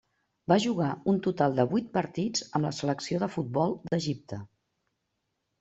Va jugar un total de vuit partits amb la selecció de futbol d'Egipte.